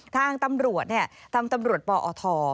ทางตำรวจทางตำรวจปอท